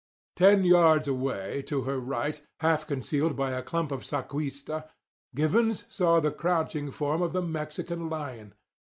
Ten yards away, to her right, half concealed by a clump of sacuista, Givens saw the crouching form of the Mexican lion.